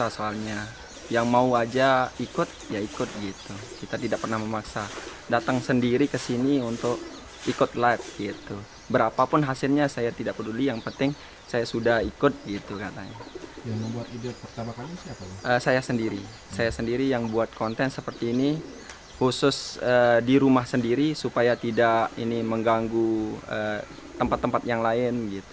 saya sendiri yang buat konten seperti ini khusus di rumah sendiri supaya tidak mengganggu tempat tempat yang lain